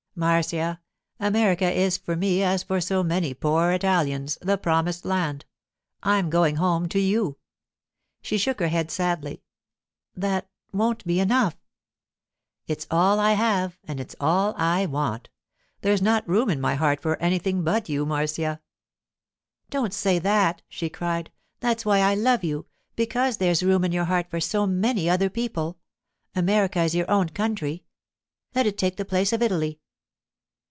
'Marcia, America is for me, as for so many poor Italians, the promised land. I'm going home to you.' She shook her head sadly. 'That—won't be enough.' 'It's all I have, and it's all I want. There's not room in my heart for anything but you, Marcia.' 'Don't say that,' she cried. 'That's why I love you—because there's room in your heart for so many other people. America is your own country. Let it take the place of Italy.